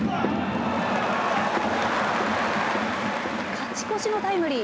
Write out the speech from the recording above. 勝ち越しのタイムリー。